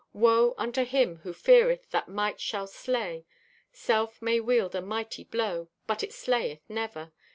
Woe unto him who feareth that might shall slay! Self may wield a mighty blow, but it slayeth never.